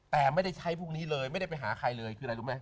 แต่ไม่ใช่พวกนี้เลยไม่ได้ไปหาใครเลย